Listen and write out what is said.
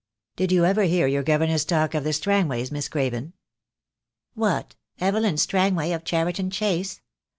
"Did you ever hear your governess talk of the Strang ways, Miss Craven?" "What, Evelyn Strangway, of Cheriton Chase?